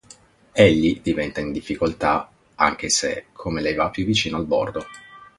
Egli diventa in difficoltà, anche se, come lei va più vicino al bordo.